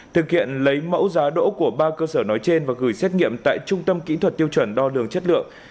thực hiện lấy mẫu giá đỗ của ba cơ sở nói trên và gửi xét nghiệm tại trung tâm kỹ thuật tiêu chuẩn đo lường chất lượng